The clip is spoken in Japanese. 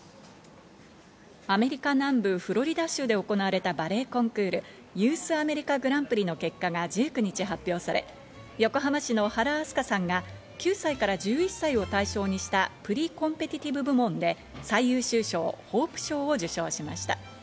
アメリカ南部フロリダ州で行われたバレエコンクール、ユース・アメリカ・グランプリの結果が１９日発表され、横浜市の原明日香さんが９歳から１１歳を対象にしたプリ・コンペティティブ部門で最優秀賞ホープ賞を受賞しました。